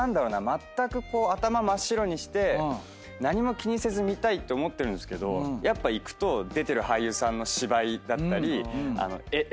まったく頭真っ白にして何も気にせず見たいって思ってるんですけど行くと出てる俳優さんの芝居だったり絵の画角。